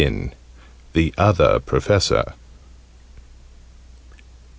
THE OTHER PROFESSOR.